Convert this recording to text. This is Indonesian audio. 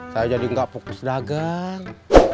saya jadi nggak fokus dagang